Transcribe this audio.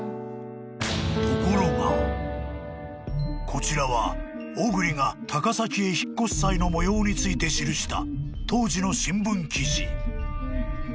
［こちらは小栗が高崎へ引っ越す際の模様について記した当時の新聞記事］